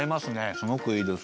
すごくいいです。